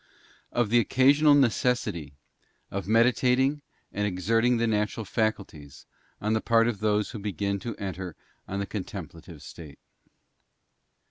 Of the occasional necessity of meditating and exerting the natural faculties on the part of those who begin to enter on the contemplative state.